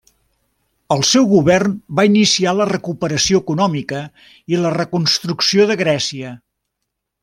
El seu govern va iniciar la recuperació econòmica i la reconstrucció de Grècia.